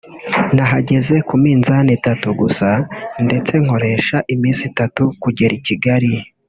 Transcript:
nahagaze ku minzani itatu gusa ndetse nkoresha iminsi itatu kugera i Kigali